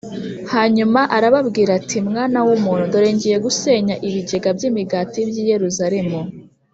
Hanyuma arambwira ati «Mwana w’umuntu, dore ngiye gusenya ibigega by’imigati by’i Yeruzalemu